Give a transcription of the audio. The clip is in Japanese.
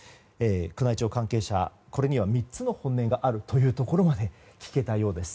宮内庁関係者、これには３つの本音があるというところまで聞けたようです。